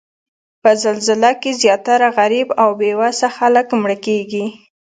په زلزله کې زیاتره غریب او بې وسه خلک مړه کیږي